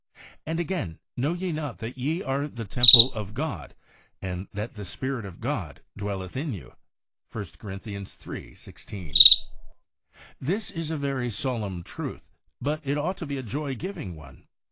And again, 'Know ye not that ye are the temple of God, and that the Spirit of God dwelleth in you ?' (i Cor. iii. 16). This is a very solemn truth, but it ought to be a joy giving one.